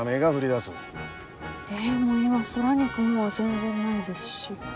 でも今空に雲は全然ないですし。